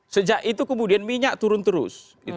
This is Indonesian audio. sejak itu kemudian minyak turun terus